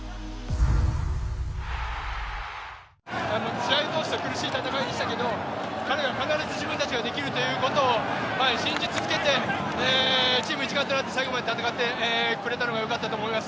試合をとおして苦しい戦いでしたけど彼ら必ず自分たちができるということを信じ続けて、チーム一丸となって最後まで戦ってくれたのが良かったと思います。